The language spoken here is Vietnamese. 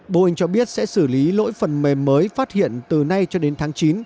boeing cho biết sẽ xử lý lỗi phần mềm mới phát hiện từ nay cho đến tháng chín